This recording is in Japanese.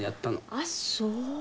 あっそう。